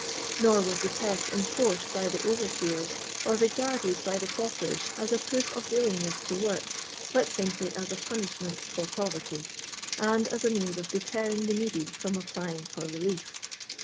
Nor was the test enforced by the overseers or regarded by the paupers as a proof of willingness to work, but simply as a punishment for poverty, and as ft means of deterring the needy from applying for relief.